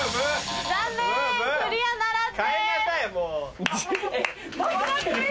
残念クリアならずです。